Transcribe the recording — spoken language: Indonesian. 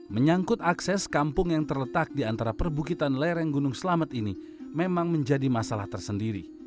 menyangkut akses kampung yang terletak di antara perbukitan lereng gunung selamet ini memang menjadi masalah tersendiri